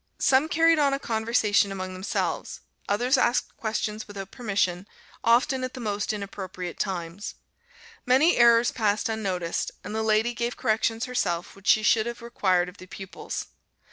Some carried on a conversation among themselves, others asked questions without permission, often at the most inappropriate times. Many errors passed unnoticed, and the lady gave corrections herself which she should have required of the pupils.